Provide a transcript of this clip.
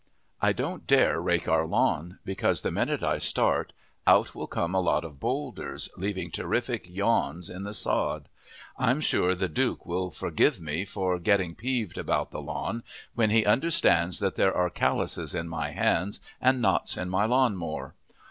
I don't dare rake our lawn, because the minute I start, out will come a lot of bolders, leaving terrific yawns in the sod. I'm sure the Duke will forgive me for getting peeved about that lawn, when he understands that there are callouses in my hands and knots in my lawn mower.